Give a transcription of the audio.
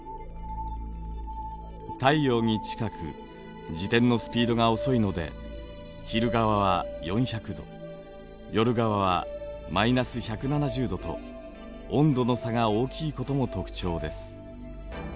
太陽に近く自転のスピードが遅いので昼側は４００度夜側は−１７０度と温度の差が大きいことも特徴です。